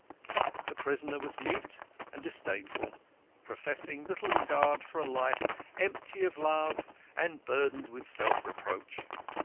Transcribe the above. The prisoner was mute and disdainful, professing little regard for a life empty of love and burdened with self reproach.